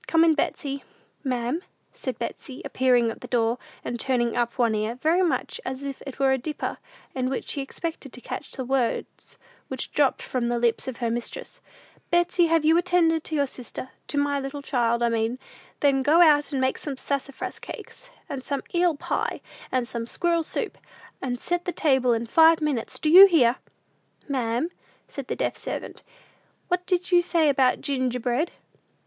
Come in, Betsey." "Ma'am?" said Betsey, appearing at the door, and turning up one ear, very much as if it were a dipper, in which she expected to catch the words which dropped from the lips of her mistress. "Betsey, have you attended to your sister to my little child, I mean? Then go out and make some sassafras cakes, and some eel pie, and some squirrel soup; and set the table in five minutes: do you hear?" "Ma'am?" said the deaf servant; "what did you say about ginger bread?"